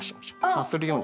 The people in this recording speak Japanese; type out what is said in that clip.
さするように。